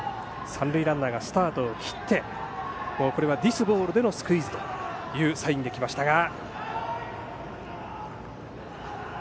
三塁ランナーがスタートを切ってディスボールでのスクイズというサインで来ましたが。